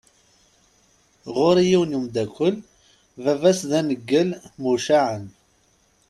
Ɣur-i yiwen umdakel baba-s d aneggal mucaεen.